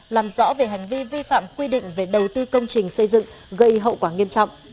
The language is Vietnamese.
làm rõ về hành vi vi phạm quy định về đầu tư công trình xây dựng gây hậu quả nghiêm trọng